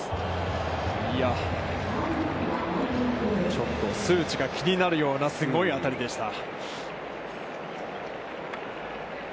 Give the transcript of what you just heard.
いや、ちょっと数値が気になるようなすごい当たりでした。